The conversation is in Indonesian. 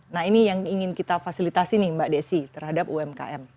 nah ini yang ingin kita fasilitasi nih mbak desi terhadap umkm